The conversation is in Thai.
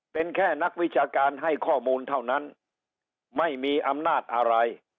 เป็นแค่นักวิชาการให้ข้อมูลเท่านั้นไม่มีอำนาจอะไร